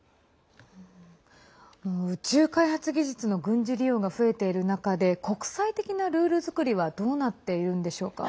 宇宙開発技術の軍事利用が増えている中で国際的なルール作りはどうなっているんでしょうか。